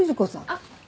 あっ。